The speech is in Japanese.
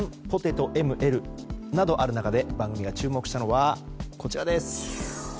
ポテトＭ・Ｌなどある中で番組が注目したのはこちらです。